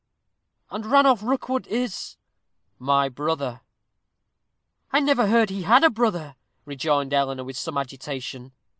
"And Ranulph Rookwood is " "My brother." "I never heard he had a brother," rejoined Eleanor, with some agitation.